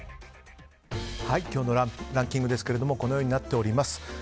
今日のランキングですけどもこのようになっております。